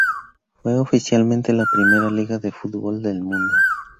Fue oficialmente la primera liga de fútbol del mundo.